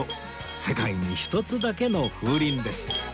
世界に一つだけの風鈴です